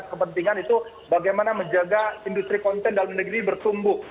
kepentingan itu bagaimana menjaga industri konten dalam negeri bertumbuh